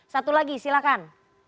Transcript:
satu lagi silakan